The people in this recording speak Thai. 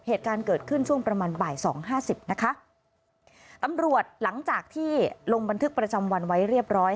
เหตุการณ์เกิดขึ้นช่วงประมาณบ่ายสองห้าสิบนะคะตำรวจหลังจากที่ลงบันทึกประจำวันไว้เรียบร้อย